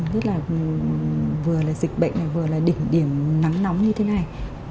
tức là vừa là dịch bệnh này vừa là đỉnh điểm nắng nóng như thế này